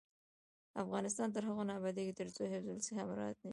افغانستان تر هغو نه ابادیږي، ترڅو حفظ الصحه مراعت نشي.